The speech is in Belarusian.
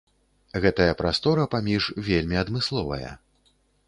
Гэтая прастора паміж вельмі адмысловая.